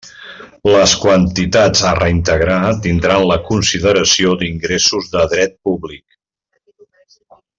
Les quantitats a reintegrar tindran la consideració d'ingressos de dret públic.